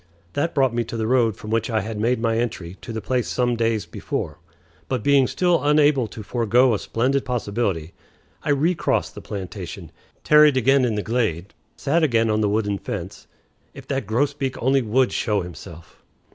That brought me to the road from which I had made my entry to the place some days before; but, being still unable to forego a splendid possibility, I recrossed the plantation, tarried again in the glade, sat again on the wooden fence (if that grosbeak only would show himself!)